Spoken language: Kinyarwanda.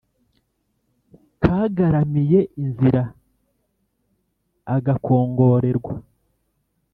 Kagaramiye inzira-Agakongorerwa.